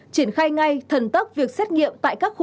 chuyển khai ngay thần tốc việc xét nghiệm tại các khu vực